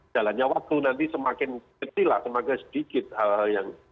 jalannya waktu nanti semakin kecil lah semakin sedikit hal hal yang